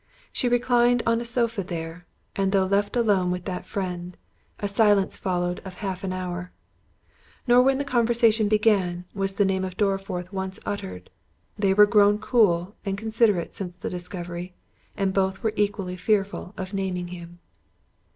She reclined upon a sofa there, and though left alone with that friend, a silence followed of half an hour; nor when the conversation began, was the name of Dorriforth once uttered—they were grown cool and considerate since the discovery, and both were equally fearful of naming him.